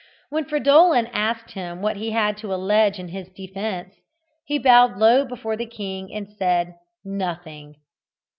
When Fridolin asked him what he had to allege in his defence, he bowed low before the king, and said "Nothing."